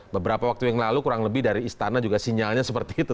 beberapa waktu yang lalu kurang lebih dari istana juga sinyalnya seperti itu